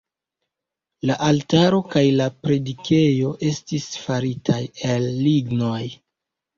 La altaro kaj la predikejo estis faritaj el lignoj.